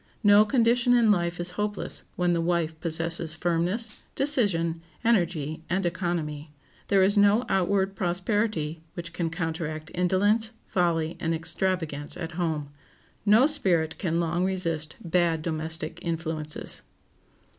No condition in life is hopeless when the wife possesses firmness, decision, energy, and economy. There is no outward prosperity which can counteract indolence, folly, and extravagance at home. No spirit can long resist bad domestic influences.